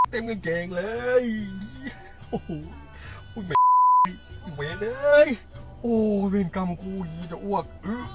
เต็มกางแกงเลยโอ้โหโอ้ยเวทเลยโอ้เวทกรรมกูจะอ้วก